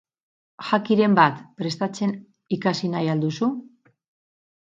Jakiren bat prestatzen ikasi nahi al duzu?